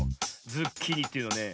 ズッキーニというのはね